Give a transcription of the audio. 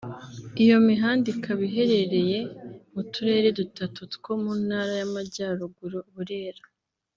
Iyo mihanda ikaba iherereye mu turere dutatu two mu Ntara y’Amajyaruguru (Burera